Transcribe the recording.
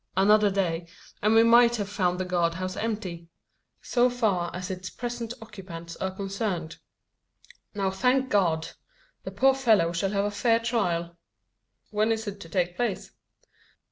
Another day, and we might have found the guardhouse empty so far as its present occupants are concerned. Now, thank God! the poor fellow shall have a fair trial." "When is it to take place?"